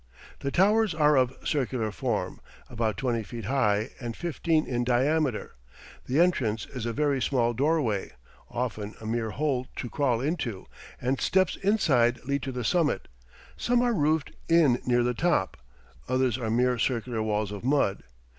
The towers are of circular form, about twenty feet high and fifteen in diameter; the entrance is a very small doorway, often a mere hole to crawl into, and steps inside lead to the summit; some are roofed in near the top, others are mere circular walls of mud.